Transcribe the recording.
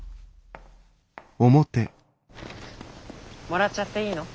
もらっちゃっていいの？